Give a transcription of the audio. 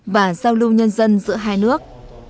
và giao lưu nhân dân giữa hai nước